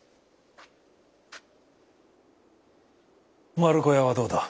丸子屋はどうだ？